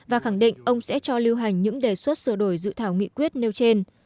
và khẳng định ông sẽ cho lưu hành những đề xuất sửa đổi dự thảo nghị quyết nêu trên